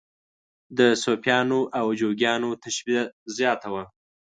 د صوفیانو او جوګیانو تشبیه زیاته وه.